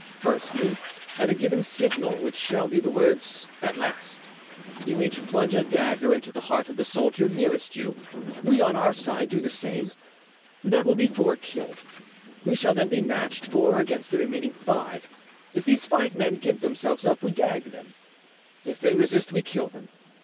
Firstly, at a given signal, which shall be the words 'At last,' you each plunge a dagger into the heart of the soldier nearest to you. We, on our side, do the same. That will be four killed. We shall then be matched, four against the remaining five. If these five men give themselves up we gag them; if they resist, we kill them.